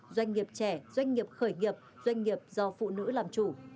doanh nghiệp trẻ doanh nghiệp khởi nghiệp doanh nghiệp do phụ nữ làm chủ